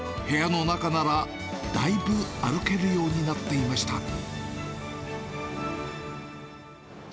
部屋の中ならだいぶ、歩けるようになっていました。